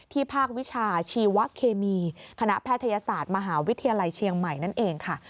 ภาควิชาชีวะเคมีคณะแพทยศาสตร์มหาวิทยาลัยเชียงใหม่นั่นเองค่ะ